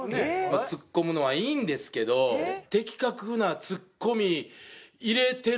ツッコむのはいいんですけど的確なツッコミ入れてるでしょうみたいなね